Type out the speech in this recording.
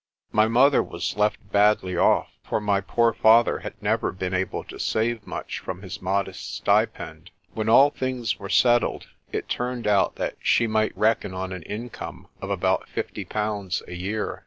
My mother was left badly off, for my poor father had never been able to save much from his modest stipend. When all things were settled^ it turned out that she might reckon on an income of about fifty pounds a year.